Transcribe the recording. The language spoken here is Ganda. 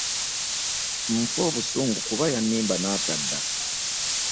Nfa obusungu kuba yannimba n'atadda.